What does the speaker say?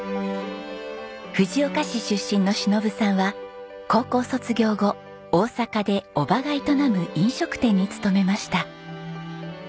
藤岡市出身の忍さんは高校卒業後大阪で伯母が営む飲食店に勤めました。